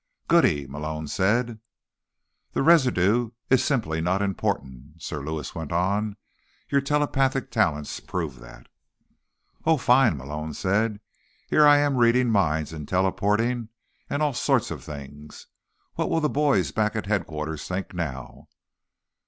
"Goody," Malone said. "The residue is simply not important," Sir Lewis went on. "Your telepathic talents prove that." "Oh, fine," Malone said. "Here I am reading minds and teleporting and all sorts of things. What will the boys back at Headquarters think now?"